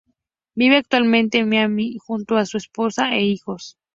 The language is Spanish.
Vive Actualmente En Miami Junto A Su Esposa E Hijos